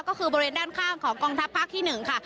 ก็คือบริเวณด้านข้างของกองทัพภาคที่๑ค่ะ